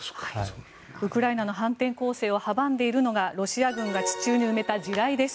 ウクライナの反転攻勢を阻んでいるのがロシア軍が地中に埋めた地雷です。